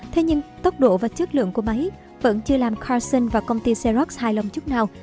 thế nhưng tốc độ và chất lượng của máy vẫn chưa làm conson và công ty serak hài lòng chút nào